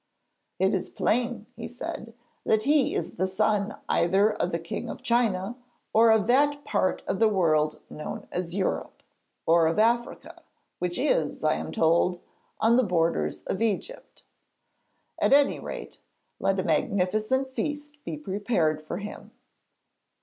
'It is plain,' he said, 'that he is the son either of the King of China, or of that part of the world known as Europe, or of Africa, which is, I am told, on the borders of Egypt. At any rate, let a magnificent feast be prepared for him.'